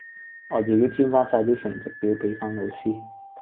我自己簽返曬啲成績表俾返老師。